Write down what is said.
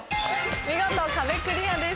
見事壁クリアです。